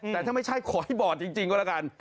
แต่ถ้าไม่ใช่ขอให้บอดจริงก็แล้วกัน